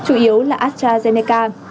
chủ yếu là astrazeneca